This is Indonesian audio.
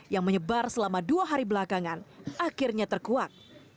yang menyebar selama dua hari belakangan akhirnya terkuak